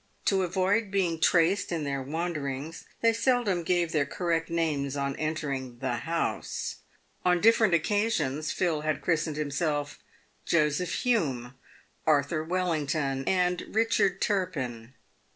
To avoid being traced in their wanderings, they seldom gave their correct names on entering " the house." On different occasions Phil had christened himself Joseph Hume, Arthur Wellington, and Eichard Turpin.